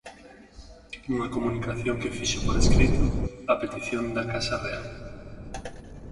Unha comunicación que fixo por escrito, a petición da Casa real.